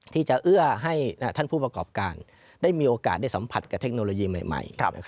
ที่จะเอื้อให้ท่านผู้ประกอบการได้มีโอกาสได้สัมผัสกับเทคโนโลยีใหม่